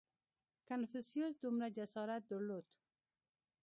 • کنفوسیوس دومره جسارت درلود.